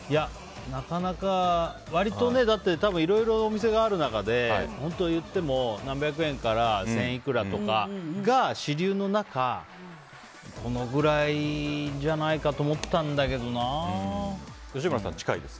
なかなか割といろいろお店がある中で本当言っても何百円から千いくらとかが主流の中このぐらいじゃないかと吉村さん、近いです。